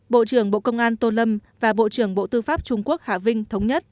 bộ trưởng bộ công an tô lâm và bộ trưởng bộ tư pháp trung quốc hạ vinh thống nhất